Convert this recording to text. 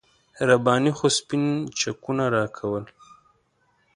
رباني خو سپین چکونه راکول.